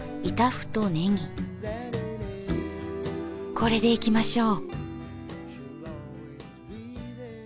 これでいきましょう。